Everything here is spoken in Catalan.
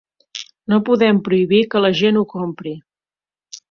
No podem prohibir que la gent ho compri.